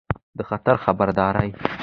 د خطر خبرداری